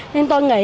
nên tôi nghĩ